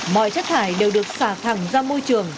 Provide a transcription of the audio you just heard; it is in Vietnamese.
mọi chất thải đều được xả thẳng ra môi trường